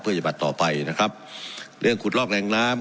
เพื่อจะบัดต่อไปนะครับเรื่องขุดลอกแหลงน้ำ